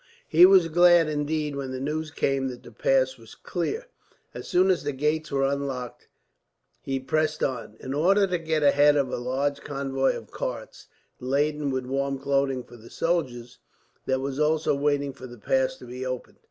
He was glad, indeed, when the news came that the pass was clear. As soon as the gates were unlocked he pressed on, in order to get ahead of a large convoy of carts, laden with warm clothing for the soldiers, that was also waiting for the pass to be opened.